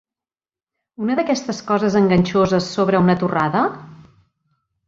Una d'aquestes coses enganxoses sobre una torrada?